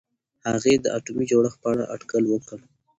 هغې د اتومي جوړښت په اړه اټکل وکړ.